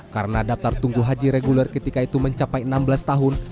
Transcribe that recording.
karena daftar tunggu haji reguler ketika itu mencapai enam belas tahun